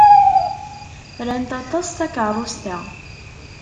Rant aṭas takeṛṛust-a.